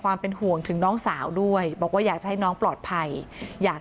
เป็นห่วงถึงน้องสาวด้วยบอกว่าอยากจะให้น้องปลอดภัยอยาก